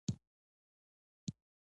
موږ نه غواړو چې کلتور مو ورک سي.